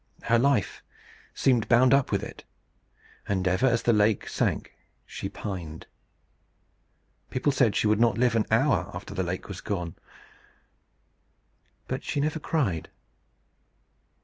Her life seemed bound up with it; and ever as the lake sank, she pined. People said she would not live an hour after the lake was gone. But she never cried.